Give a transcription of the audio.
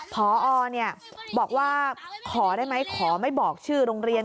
พอบอกว่าขอได้ไหมขอไม่บอกชื่อโรงเรียน